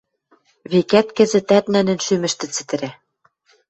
Векӓт, кӹзӹтӓт нӹнӹн шӱмӹштӹ цӹтӹрӓ.